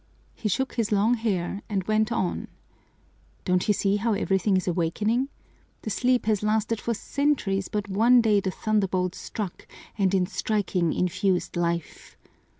He shook his long hair, and went on: "Don't you see how everything is awakening? The sleep has lasted for centuries, but one day the thunderbolt struck, and in striking, infused life.